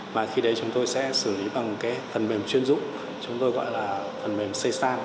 mà khi đấy chúng tôi sẽ xử lý bằng cái phần mềm chuyên dụng chúng tôi gọi là phần mềm sesan